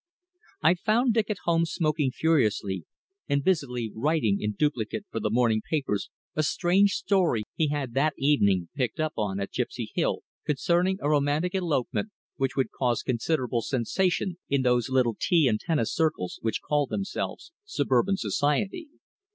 I found Dick at home smoking furiously, and busily writing in duplicate for the morning papers a strange story he had that evening picked up out at Gipsy Hill concerning a romantic elopement, which would cause considerable sensation in those little tea and tennis circles which call themselves suburban society.